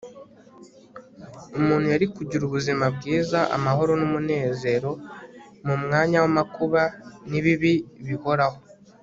umuntu yari kugira ubuzima bwiza, amahoro, n'umunezero mu mwanya w'amakuba, n'ibibi bihoraho